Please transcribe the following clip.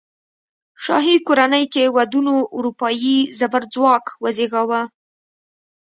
شاهي کورنۍ کې ودونو اروپايي زبرځواک وزېږاوه.